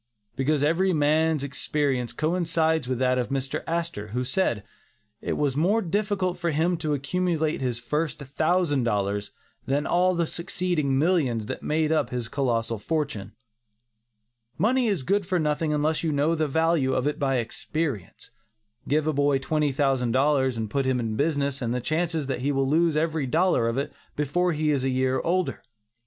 Because every man's experience coincides with that of Mr. Astor, who said, 'it was more difficult for him to accumulate his first thousand dollars, than all the succeeding millions that made up his colossal fortune.' Money is good for nothing unless you know the value of it by experience. Give a boy twenty thousand dollars and put him in business and the chances are that he will lose every dollar of it before he is a year older.